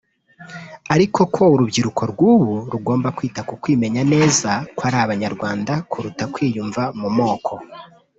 ariko ko urubyiruko rw’ubu rugomba kwita ku kwimenya neza ko ari abanyarwanda kuruta kwiyumva mu moko